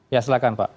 ya silakan pak